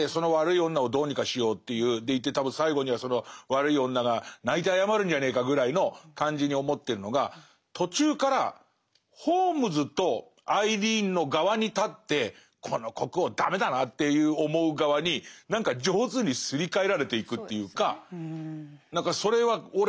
でいて多分最後にはその悪い女が泣いて謝るんじゃねえかぐらいの感じに思ってるのが途中からホームズとアイリーンの側に立ってこの国王駄目だなって思う側に何か上手にすり替えられていくというか何かそれは俺快感だと思うんですよ。